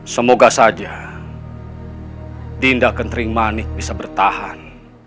semoga saja dinda kenteri manik bisa bertahan